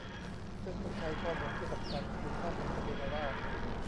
ซึ่งต้องใช้ข้อมูลที่สำคัญคือข้อมูลทะเบียนราษฎร์